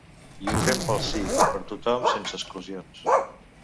I ho fem pel Sí, per tothom, sense exclusions.